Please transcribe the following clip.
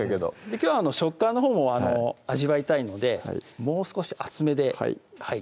きょうは食感のほうも味わいたいのでもう少し厚めではい